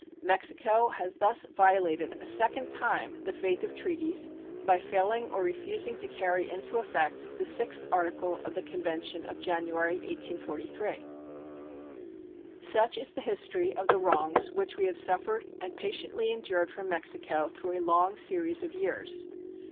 Mexico has thus violated a second time the faith of treaties by failing or refusing to carry into effect the sixth article of the convention of January, 1843. Such is the history of the wrongs which we have suffered and patiently endured from Mexico through a long series of years.